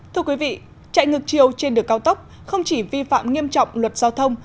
thưa quý vị chạy ngược chiều trên đường cao tốc không chỉ vi phạm nghiêm trọng luật giao thông